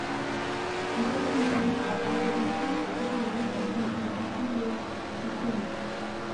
Legal complaints about the imposed settlements and compensation were frequent.